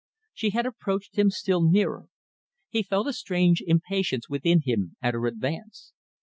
She had approached him still nearer. He felt a strange impatience within him at her advance.